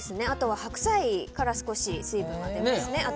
あとは白菜から少し水分が出てますね。